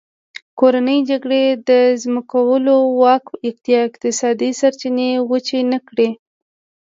کورنۍ جګړې د ځمکوالو واک یا اقتصادي سرچینې وچې نه کړې.